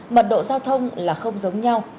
mật độ giao thông là không giống nhau